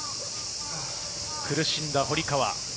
苦しんだ堀川。